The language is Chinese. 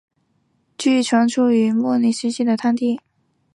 据传出没于南新泽西州的松林泥炭地。